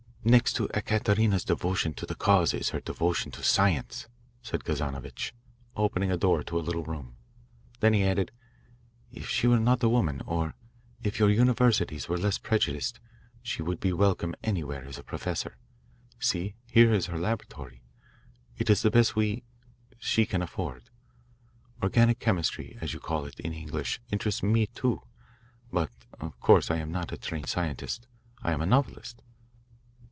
"Next to Ekaterina's devotion to the cause is her devotion to science," said Kazanovitch, opening a door to a little room. Then he added: "If she were not a woman, or if your universities were less prejudiced, she would be welcome anywhere as a professor. See, here is her laboratory. It is the best we she can afford. Organic chemistry, as you call it in English, interests me too, but of course I am not a trained scientist I am a novelist."